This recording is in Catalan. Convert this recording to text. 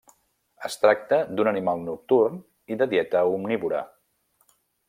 Es tracta d'un animal nocturn i de dieta omnívora.